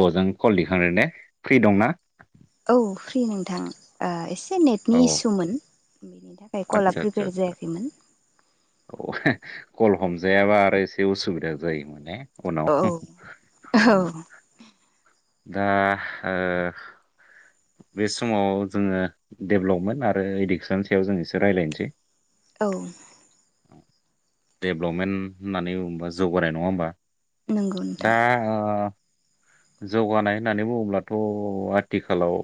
अ जों कल दिखांदोंने फ्रि दंना? औ फ्रि नोंथां ओ एसे औ नेटनि इसुमोन बेनि थाखाय कला आदसा आदसा प्रिपेयार आदसा जायाखैमोन औ कल हमजायाबा आरो एसे एसे उसुबिदा जायो माने औ उनाव उम। औ दा ओ बे समाव जोङो डेभेलपमेन्ट आरो इडुकेसन सायाव जों एसे रायज्लायनोसै औ डेभलपमेन्ट होननानै बुंबा जौगानाय नङा होमबा नंगौ नोंथां दा ओ जौगानाय होननानै बुङोब्लाथ' आथिखालाव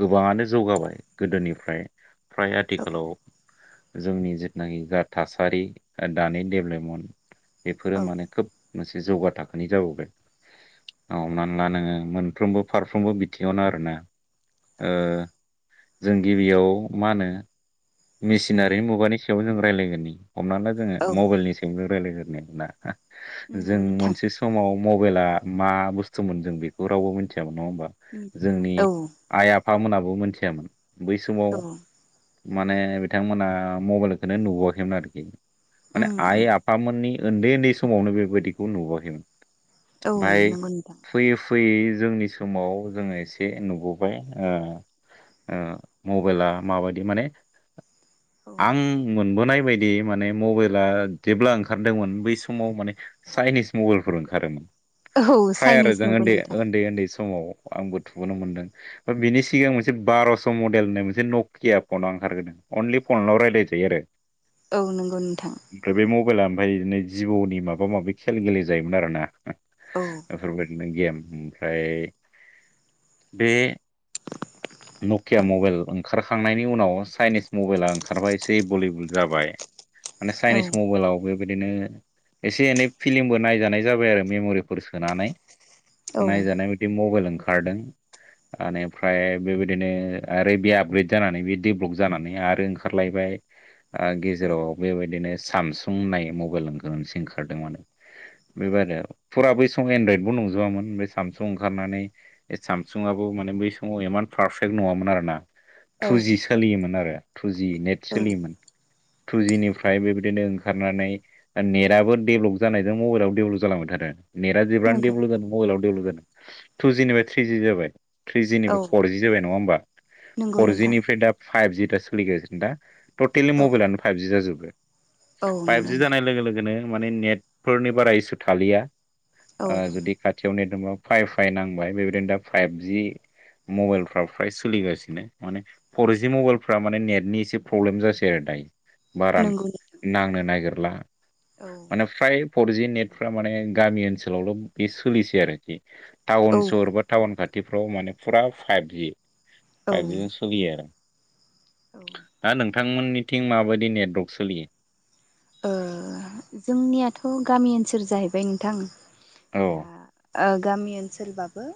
गोबाङानो जौगाबाय गोदोनिफ्राय फ्राय औ आथिखालाव जोंनि जिथुनाखि जा थासारि दानि डेभेलपमेन्ट बेफोरो औ माने खोब मोनसे जौगा थाखोनि जाबोबाय हमनानै ला नोङो मोनफ्रोमबो फारफ्रोमबो बिथिङावनो आरोना औ ओ जों गिबियाव मा होनो मेसिनारिनि मुगानि सायाव जों रायलायगोरनि। हमनानै ला जोङो औ मबाइलनि सायाव जों रायलायगोरनि जों नंगौ नोंथां मोनसे समाव मबाइला मा बुस्थुमोन जों बेखौ रावबो मिथियामोन नङा होमबा मिथियामोन जोंनि औ आइ आ फामोनाबो मोनथियामोन बै समाव औ माने बिथांमोना मबाइलखौनो नुबोआखैमोन आरोखि माने उम आइ उम आफामोननि उन्दै उन्दै समावनो बेबायदिखौ नुवाखैमोन औ ओमफाय नंगौ नोंथां फैयै फैयै जोंनि समाव जोङो एसे नुबोबाय ओ ओ मबाइला माबायदि माने आं औ मोनबोनाय बेफोरबायदि माने मबाइला जेब्ला ओंखारदोंमोन बै समाव माने चाइनिस मबाइलफोर ओंखारोमोन औ फ्राय आरो चाइनिस जों नंगौ उन्दै नोंथां उन्दै उन्दै समाव आंबो थुुबुनो मोनदों बा बिनि सिगां मोनसे बार'स' मडेल होननाय मोनसे नकिया फन आं ओंखारगोरदों अनलि फनल' रायज्लायजायो आरो औ नंगौ नोंथां ओमफ्राय बे मबाइला ओमफाय बिदिनो जिबौनि माबा माबि खेल गेलेेजायोमोन आरोना औ बेफोरबायदिनो गेम ओमफ्राय बे नकिया मबाइल ओंखारखांनायनि उनाव चाइनिस मबाइला ओंखारबाय एसे बलिबुल जाबाय माने औ चाइनिस मबाइलाव बे बिदिनो एसे एनै फिलिमबो नायजानाय जाबाय आरो मेम'रिफोर सोनानै औ नायजानाय बादि मबेल ओंखारदों बेनिफ्राय बेबायदिनो आरो बे आपग्रेड जानानै बे डेभलप जानानै आरो ओंखारलायबाय गेजेराव बेबायदिनो सामसुं होननाय मबाइल आ गोरोनसे ओंखारदों मोनन बेबादि फुरा बै समाव एनडरइद नंजोबामोन बे सामसुं ओंखारनानै बे सामसुंआबो माने बै समाव इमान पारफेक्ट नङामोन आरो ना औ टुजि सोलियोमोन आरो टुजि नेट औ सोलियोमोन टुजिनिफ्राय बेबायदिनो ओंखारनानै नेटआबो डेभेलप जानायजों मबाइलबो डेभेलप जालांबाय थारो नेटआ जोबबानो नंगौ डेभेलप नोंथां जादों मबाइलाव डेभेलप जादों टुजिनिफ्राय थ्रिजि जाबाय औ थ्रिजिनिफ्राय फरजि जाबाय नङा होमबा नंगौ नोंथां फरजिनिफ्राय दा फाइभजि दा सोलिगासिनो दा टटेलि औ मबाइलानो फाइभजि जाजोब्बाय। औ नंगौ फाइभजि जानाय नोंथां लोगो लोगोनो माने नेटफोरनि बारा इसु थालिया औ ओ जुदि खाथियाव नेट फाइ फाइ नांबाय बेबायदिनो दा फाइभजि मबेलफ्रा फ्राय सोलिगासिनो माने फर जि मबेलफ्रा माने नेटनि एसे प्रब्लेम जासै आरो दायो बारा नंगौ नोंथां नांनो नागिरला। माने औ फ्राय फरजि नेट फ्रा माने गामि ओनसोलावल' बे सोलिसै आरोखि औ टाउन-सहर बा टाउन खा थिफ्राव माने फुरा फाइभजि, फाइभजिजों औ सोलियो आरो। औ दा नोंथांमोननिथिं माबायदि नेटवर्क सोलियो? ओ जोंनियाथ' गामि ओनसोल जाहैबाय नोंथां, औ दा ओ गामि ओनसोलबाबो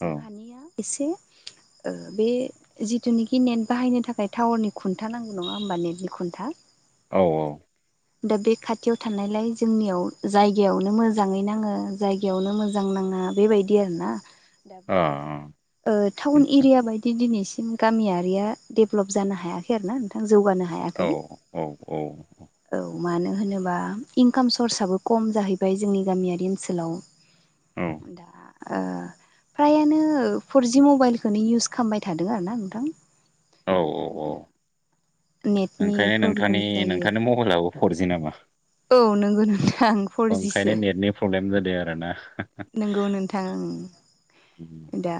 औ एसे ओ बे जिथुनाखि नेट बाहायनो थाखाय टावारनि खुन्था नांगौ। नङा होमबा? नेटनि खुन्था औ औ दा बे खाथियाव थानायलाय जोंनियाव जायगायावनो मोजाङै नाङो जायगायावनो मोजां ना ङा बेबायदि आरो ना दाबो अ नोंथां ओ टाउन आदसा एरिया बायदि दिनै गामियारिया डेभेलप जानो हायाखै आरो ना नोंथां। जौगानो औ हायाखै औ औ। औ, मानो होनोबा इंकाम सर्सआबो खम जाहैबाय जोंनि गामियारि ओनसोलाव। दा ओ फ्रायानो फरजि मबाइलखौनो इउस खालामबाय थादों आरो ना नोंथां। औ औ दा ओंखायनो नोंथांनि नोंथांनि मबाइलाबो फरजि नामा? औ नंगौ नोंथां ओंखायनो नेटनि प्रब्लेम जादों आरोना? नोंगौ नोंथां। दा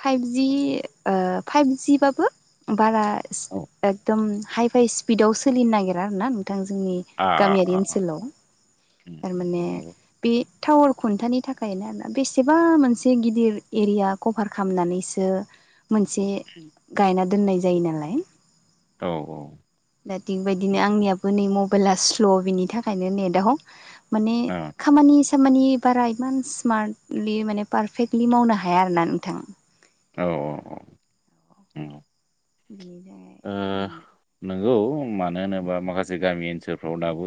फाइभजि ओ फाइभजिबाबो बारा औ एकदम हाइ फाइ स्पिदाव सोलिनो नागिरा आरोना नोंथा जोंनि आ आ गामियारि आ आ ओनसोलाव। उम उम थारमाने नंगौ। बे टावार खुन्थानि थाखायनो आरोना बेसेबा मोनसे गिदिर एरिया कभार खालामनानैसो मोनसे गायना दोननाय जायो नालाय औ औ। दा थिगबायदिनो आंनियाबो नै मबाइला स्ल' बिनि थाखायनो नेटआव माने खामानि खामानि बारा इमान स्मार्टलि माने पारफेक्टलि मावनो हाया आरो ना नोंथां। औ औ औ नोंगौ। बिनि थाखाय ओ नोंगौ मानो होनोबा माखासे गामि ओनसोलफ्राव दाबो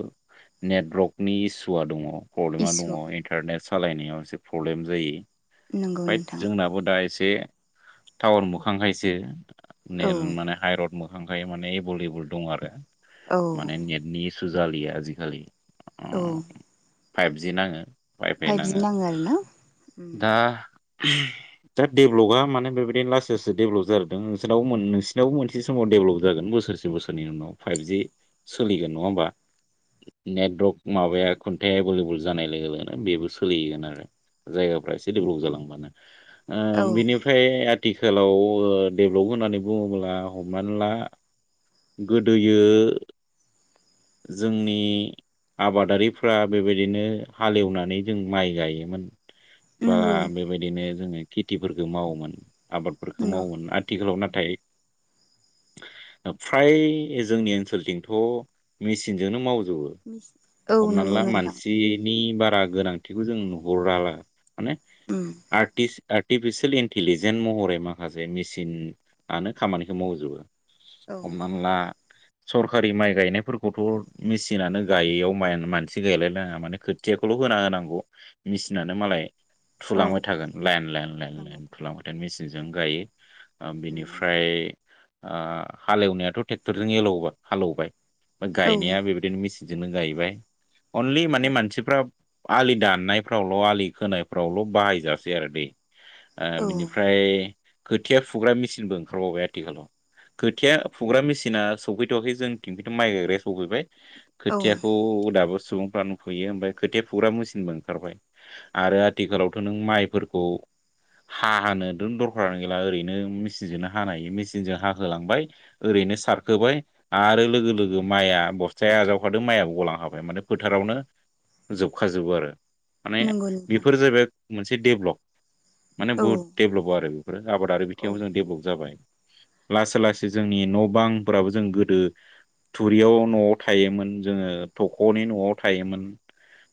नेटवर्कनि इसुआ दङ। प्रब्लेमा इसु दङ इन्टारनेट सालायनायाव एसे प्रब्लेम जायो। नंगौ फाइय नोंथां जोंनाबो दा एसे बे टाउन मोखांखायसो औ मेन माने भट मोखांखाय माने एबोल लेबल दं आरो औ माने नेटनि इसु जालिया आजिखालि। औ फाइभ जि नाङो वाइ फाइ फाइभजि नाङो आरोना दा दा डेभलजआ माने बेबायदिनो लासै लासै डेभल जालांदों। नोंसिनावमोन नोंसिरनावबो मोन से समाव डेभलप जागोन। बोसोरसे बोसोरनि उनाव फाइभजि सोलिगोन नङा होमबा? नेटवर्क औ माबाया खुन्थाया एबुल एबुल जानाय लोगो लोगोनो बेबो सोलिगोन आरो जायगाफ्रा एसे डेभलप जालांबानो। औ बिनिफ्राय आथिखालाव ओ डेभलप होननानै बुङोब्ला। मनोना गोदोयो जोंनि आबादारिफ्रा बेबायदिनो हालेवनानै जों माइ गायोमोन। बा नंगौ बेबायदिनो जोङो खेथिफोरखौ मावोमोन। आबादफोरखौ नंगौ मावोमोन। आथिखालाव नाथाय ओ फ्राय जोंनि ओनसोलथिंथ' मिसिनजोंनो मावो। जौओ औ हमनानै नंगौ ला नोंथां मानसि नि बारा गोनांथिखौ जों नुहराला माने उम आर्टिस्ट नि आर्टिफिसियेल इन्टिलिजेन महरै माखासे मेसिन आनो खामानिखौ मावजोबो। औ हमनानैला सरखारि माइ गायनायफोरखौथ' मेसिनानो गायैयाव माइयानो मानसि गायलायनाङा माने खोथियाखौल' होना होनांगौ मेसिनानो मालाय औ थुलांबाय थागोन लाइन लाइन लाइन लाइन थुलांबाय थागोन मेसिनजों गायो। ओ बेनिफ्राय ओ हालेवनायाथ' ट्रेक्टरजों एलौबाय हालौबाय गायनाया बेबायदिनो मेसिनजोंनो गायबाय अनलि माने मानसिफ्रा आलि दाननायफ्रावल' आलि खोनायफ्रावल' बाहायजासै आरो दैे। ओ बिनिफ्राय खोथिया फुग्रा मेसिनबो ओंखारबावबाय [inaudible] थिखालाव खोथिया फुग्रा मेसिना सौफैथ'वाखै जोंथिं खिनथु' माइ गायग्राया सौफैबाय। औ खोथियाखौ दाबो सुबुंफ्रा नुफैयो। ओमफ्राय खोथिया फुग्रा मेसिनबो ओंखारबाय आरो औ आथिखालावथ' नों माइफोरखौ हा हानो दोन दरखारानो गैला ओरैनो मेसिनजोंनो हानाय मेसिन सिनजों हाहोलांबाय ओरैनो सारखोबाय आरो लोगो लोगो माइआ बस्थाया आजावखादों। मा मायाबो गलां खाबाय माने फोथारावनो जोबखाजोबो आरो माने नंगौ नोंथां बेफोर जाहैबाय मोनसे डेभलप माने औ बहुद डेभलप आरो बे। बेफोर आबादारि औ बिथिङाव जों देभलप जाबाय। लासै लासै जोंनि न' बांफोराबो जों गोदो थुरियाव न'आव थायोमोन जोङो थख'नि न'आव थायोमोन।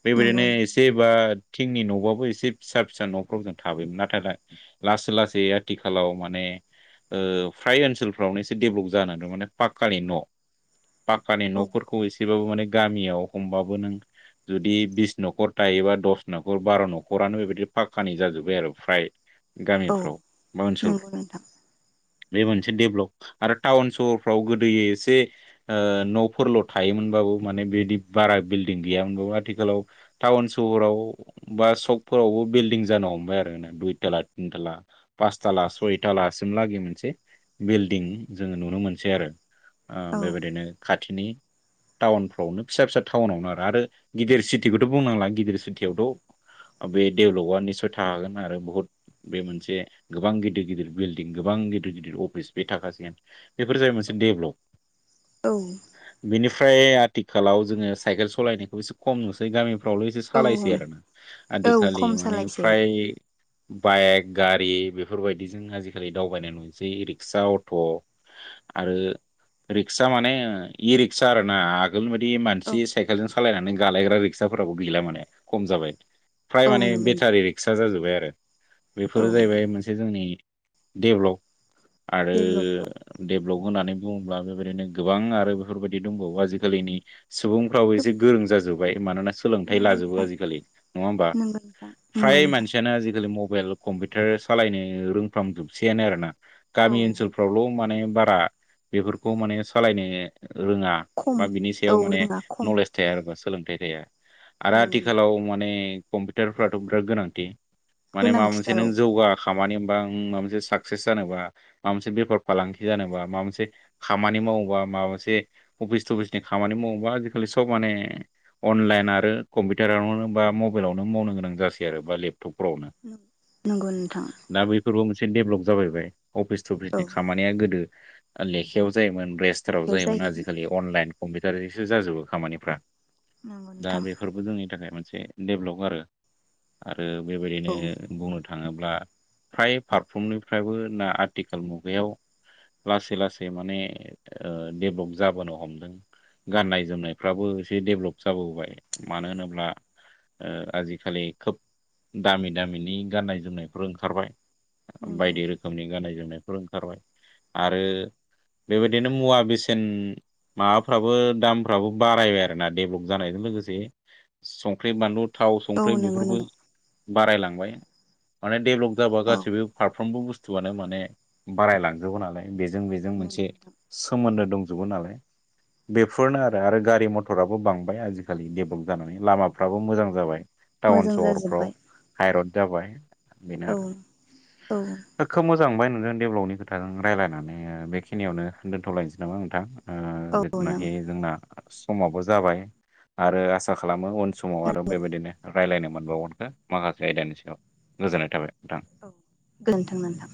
बेबायदिनो नंगौ एसेबा थिंनि न'बाबो एसे फिसा फिसा न'फ्राव जों थाबायोमोन। नाथाय दा लासै लासै आथिखालाव माने ओ फ्राय ओनसोलफ्रावनो एसे डेभलप जानानै दं। माने पाकानि न' पाक्कानि औ न'फोरखौ एसेबाबो माने गामियाव हमबाबो नों जुदि बिस न'खर थायोबा दस न'खर, बार' न'खरानो बेबायदि फाक्कानि जाजोब्बाय आरो फ्राय औ गामिफ्राव बा ओनसोलफ्राव नंगौ नोंथां बे मोनसे डेभलप आरो टाउन सहरफ्राव गोदोयो एसे ओ न'फोरल' थायोमो होमबाबो माने बिदि बारा बेल्दिं गैया। आथिखालाव थाउन सहराव बा सग फोरावबो बिल्दिं जानो हमबाय आरो दुइथाला थिन थाला पासथाला सयथालासिम लागैनो मोनसे बिल्डं जोङो नुनो मोनसै आरो ओ औ बेबायदिनो खाथिनि टाउनफ्रावनो फिसा फिसा टाउनावनो आरो आरो गिदिर सिटिखौथ' बुंनांला गिदिर सिटियावथ' बे डेभलपआ निसय थाखागोन आरो बुहुत बे मोनसे गोबां गिदिर गिदिर बिल्डिं गोबां गि गिदिर गिदिर अफिस बे थाखासिन बेफोर जाबाय मोनसे डेभलप। औ। ओमफ्राय आथिखालाव जोङो साइकेल सलायनायखौ एसे खम नुसै गामि फ्रावल' एसे औ सालायसै आरो ना, आदिखालि खम माने सालायसै फ्राय बाइक, गारि बेफोरबायदिजों आजिखालि दावबायनाय नु‌ सै रिक्शा, अट' आरो रिक्शा माने ओ ई-रिक्शा आरोना आगोलनि बायदि औ मानसि साइकेलजों सालायनानै गालायग्रा रिक्शाफोराबो गैला माने खम जाबाय। फ्राय औ माने नंगौ नोंथां बेथारि रिक्शा जाजोब्बाय आरो औ बेफोरो जाहैबाय मोनसे जोंनि देबलग आरो डेभलप देब लब होननानै बुङोब्ला बेबायदिनो गोबां आरो बेफोरबायदि दंबावो आजिखालिनि सुबुंफ्राबो गोब एसे गोरों जाजोब्बाय। मानोना सोलोंथाइ नंगौ लाजोबो नोंथां आजिखालि नङा होमबा नंगौ नोंथां नंगौ फ्राय नोंथां मानसियानो आजिखालि म बेइल कम्पिउटार सालायनो रोंफ्रामजोबसैयानो आरोना औ गामि ओनसोलफ्रावल' माने बारा बेफोरखौ माने सालायनो रोङा खम बा बिनि औ सायाव माने रोङा खम नलेज थाया आरोबा सोलोंथाइ थाया। आरो नंगौ नोंथां आथिखालाव माने कम्पिउटारफ्राथ' बिराद गोनांथि। माने माबा मोनसे गोनांथिथार नों औ जौगा खामानि होमबा उम माबा मोनसे साक्सेस जानोबा माबा मोनसे बेफार फालांगि जानोबा माबा मोनसे खामानिमावोबा माबा मोनसे अफिस थुबिसनि खामानि मावोबा आजिखालि सब माने अनलाइन आरो कम्पिउटारावनो बा मबाइलावनो मावनो गोनां जासै आरो बा लेपटपफ्रावनो नंगौ नोंथां दा बैफोरबो फिन देब्लब जाबोबाय अफिस थफिसनि औ खामानिया गोदो ओ लेखायाव जायोमोन रेस्टाराव लेखायाव जायोमोन जायो आजिखालि अनलाइन कम्पिउटारनिसो जाजोबो खामानिफ्रा। नंगौ दा नोंथां बेफोर बुहुमनि थाखाय मोनसे देब्लग आरो। आ रो बेबायदिनो औ बुंनो थाङोब्ला फ्राय फारफ्रोमनि बो ना आथिखाल मुगायाव। लासै लासै माने ओ देब्लग जाबोनो हमदों। गाननाय जोमनायफ्राबो एसे डेब्लप जाबोबाय मानो होनोब्ला ओ आजिखालि खोब दामि दामिनि गाननाय जोमनायफोर ओंखारबाय। नंगौ बायदि रोखोमनि गाननाय जोमनायफोर ओंखारबाय। आरो बेबायदिनो मुवा बेसेन माबाफ्राबो दामफ्राबो बारायबाय आरोना डेब्लग जानायजों लोगोसे संख्रि बानलु थाव औ संख्रि नंगौ बेफोरखौ नोंथां बारायलांबाय माने डेब्लग जाबा औ गासैबो मोनफ्रोमबो बुस्थुआनो माने बारायलांजोबो नालाय बेजों बेजों नंगौ मोनसे नोंथां सोमोन्दो दंजोबो नालाय। बेफोरनो आरो आरो गारि मथराबो बांबाय आजिखालि डेब्लग जानानै लामाफ्राबो मोजां जाबाय। टाउन मोजां सहरफ्राव जाजोब्बाय हायरड जाबाय बेनो औ आरो। औ। मोजांमोनबाय नोंजों देब्लगनि खोथाओ रायलायनानै ओ बेखिनियावनो दोन्थ'लायनोसै नामा नोंथां? ओ औ नों जिथुनाखि जोंना समाबो जाबाय। आरो आसा खालामो उन समाव आरो बेबायदिनो रायलायनो मोनबावगोनखो माखासे आयदानि सायाव। गोजोननाय थाबाय नोंथां। गोजोन्थों नोंथां।